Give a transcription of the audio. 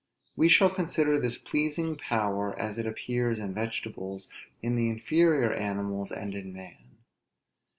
We shall consider this pleasing power as it appears in vegetables, in the inferior animals, and in man.